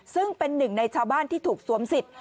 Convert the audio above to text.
ซึ่งเป็นหนึ่งในชาวบ้านที่ถูกสวมสิทธิ